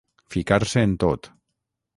Ficar-se en tot.